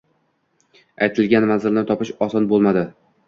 Aytilgan manzilni topish oson bo‘lmadi.